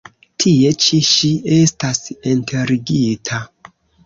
Tie ĉi ŝi estas enterigita.